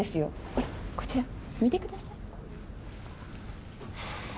ほらこちら見てください。